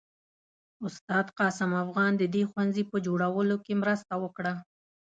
استاد قاسم افغان د دې ښوونځي په جوړولو کې مرسته وکړه.